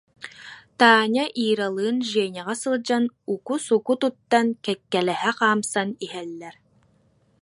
Таня Иралыын Женяҕа сылдьан уку-суку туттан, кэккэлэһэ хаамсан иһэллэр